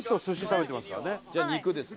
じゃあ肉ですね。